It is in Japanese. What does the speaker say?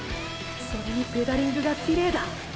それにペダリングがきれいだ。